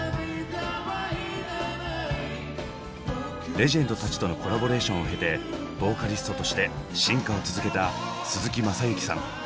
レジェンドたちとのコラボレーションを経てボーカリストとして進化を続けた鈴木雅之さん。